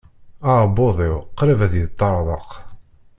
Aɛebbuḍ-iw qrib ad yeṭṭerḍeq.